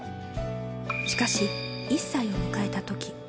しかし、１歳を迎えたとき。